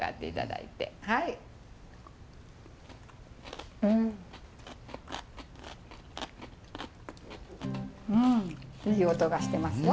いい音がしてますよ。